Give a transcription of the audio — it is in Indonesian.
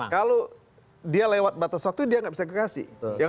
kalau dia lewat batas waktu dia tidak bisa gerasi